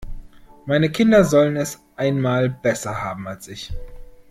Meine Kinder sollen es einmal besser haben als ich.